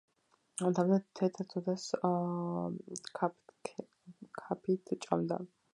თამთა თეთრ თუთას თქაფთქაფით ჭამდა